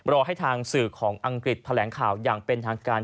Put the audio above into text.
รอให้ทางสื่อของอังกฤษแถลงข่าวอย่างเป็นทางการ